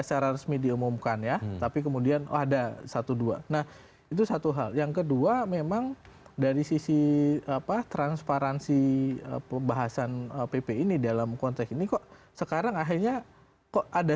sampai jumpa di video selanjutnya